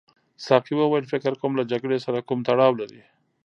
ساقي وویل فکر کوم له جګړې سره کوم تړاو لري.